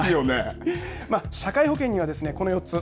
社会保険には、この４つ。